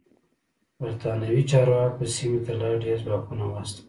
برېتانوي چارواکو سیمې ته لا ډېر ځواکونه واستول.